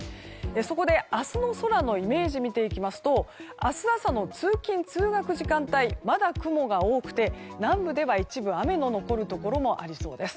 そこで明日の空のイメージを見ていきますと明日朝の通勤・通学時間帯まだ雲が多くて南部では一部雨の残るところもありそうです。